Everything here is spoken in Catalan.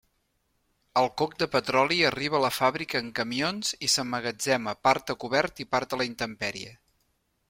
El coc de petroli arriba a la fàbrica en camions i s'emmagatzema part a cobert i part a la intempèrie.